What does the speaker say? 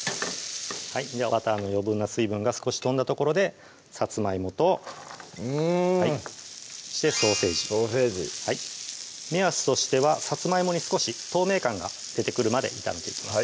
バターの余分な水分が少し飛んだところでさつまいもとうんそしてソーセージソーセージ目安としてはさつまいもに少し透明感が出てくるまで炒めていきます